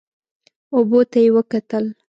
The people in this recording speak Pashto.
اوبو ته یې وکتل.